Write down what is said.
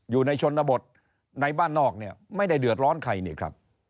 อยู่ในชนบทในบ้านนอกเนี่ยไม่ได้เดือดร้อนใครนี่ครับ